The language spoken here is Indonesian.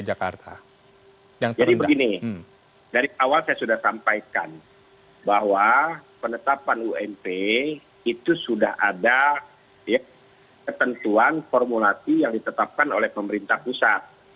jadi begini dari awal saya sudah sampaikan bahwa penetapan ump itu sudah ada ketentuan formulasi yang ditetapkan oleh pemerintah pusat